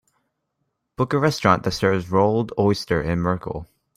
book a restaurant that serves rolled oyster in Merkel